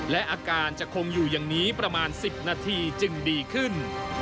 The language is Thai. และอาการจะคงอยู่อย่างนี้ประมาณ๑๐นาทีจึงดีขึ้น